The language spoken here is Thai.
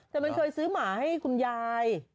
แต่มันเคยซื้อหมาให้คุณยาย